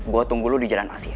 gue tunggu lo di jalan nasi ya